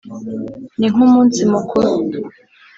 ni nk’umunsi mukuru [